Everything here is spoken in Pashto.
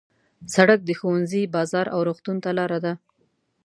سړک د ښوونځي، بازار او روغتون ته لاره ده.